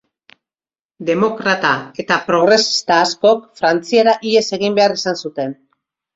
Demokrata eta progresista askok Frantziara ihes egin beharra izan zuten.